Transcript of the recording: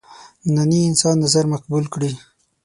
ننني انسان نظر مقبول کړي.